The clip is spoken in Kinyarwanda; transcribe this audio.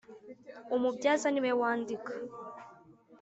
Umubyaza niwe wandika.